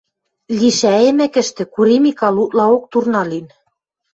Лишӓйӹмӹкӹштӹ, Кури Микал утлаок турна лин.